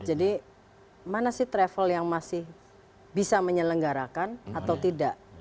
jadi mana sih travel yang masih bisa menyelenggarakan atau tidak